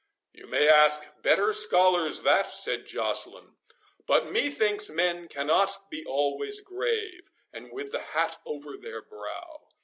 "You may ask better scholars that," said Joceline; "but methinks men cannot be always grave, and with the hat over their brow.